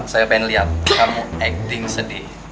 saya pengen lihat kamu acting sedih